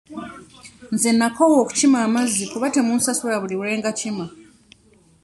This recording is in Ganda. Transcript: Nze nnakoowa okukima amazzi kuba temunsasula buli lwe ngakima.